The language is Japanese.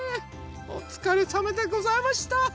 おつかれさまでございました。